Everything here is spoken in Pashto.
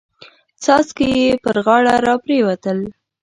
څاڅکي يې پر غاړه را پريوتل.